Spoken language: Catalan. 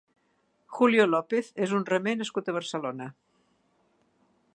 Julio López és un remer nascut a Barcelona.